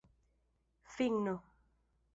finno